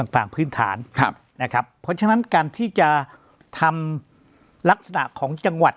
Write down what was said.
ต่างพื้นฐานครับนะครับเพราะฉะนั้นการที่จะทำลักษณะของจังหวัด